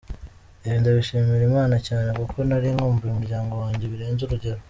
Ibi ndabishimira Imana cyane kuko nari nkumbuye umuryango wanjye birenze urugero”.